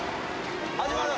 始まる。